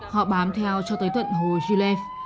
họ bám theo cho tới tuận hồ jilef